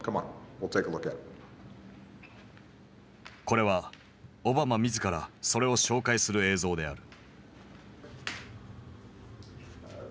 これはオバマ自らそれを紹介する映像である。